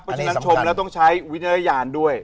ประจำนักชมแล้วต้องใช้วิญญาณด้วย